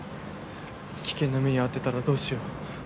危険な目に遭ってたらどうしよう。